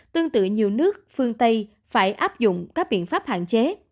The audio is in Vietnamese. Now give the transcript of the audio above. tương tự nhiều nước phương tây phải áp dụng các biện pháp hạn chế